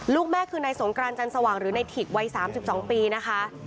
ลูกแม่คือนายสงกรานจันสว่างหรือในถิกวัย๓๒ปีนะคะ